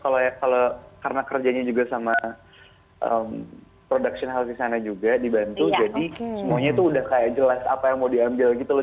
kalau karena kerjanya juga sama production house di sana juga dibantu jadi semuanya tuh udah kayak jelas apa yang mau diambil gitu loh